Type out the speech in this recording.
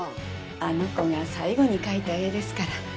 あの子が最後に描いた絵ですから。